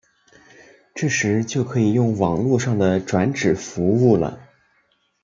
这时就可以用网路上的转址服务了。